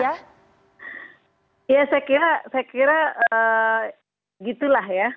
ya saya kira saya kira eh gitu lah ya